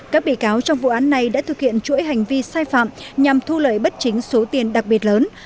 các bị cáo trong vụ án này đã thực hiện chuỗi hành vi sai phạm nhằm thu lợi bất chính số tiền đặc biệt lớn